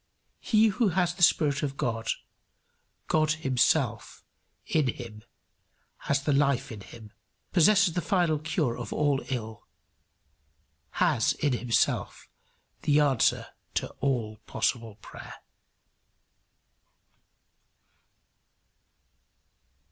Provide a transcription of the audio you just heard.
He who has the Spirit of God, God himself, in him, has the Life in him, possesses the final cure of all ill, has in himself the answer to all possible prayer.